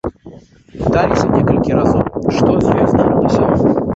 Пыталася некалькі разоў, што з ёй здарылася.